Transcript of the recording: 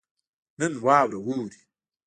نن واوره اوري